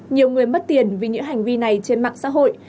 nhiều người mất tiền vì những hành vi này trên mạng xã hội